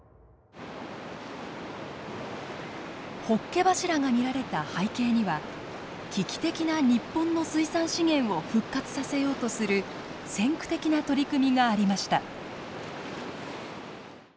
ホッケ柱が見られた背景には危機的な日本の水産資源を復活させようとする先駆的な取り組みがありました。